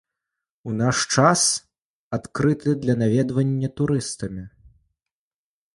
У наш час адкрыты для наведвання турыстамі.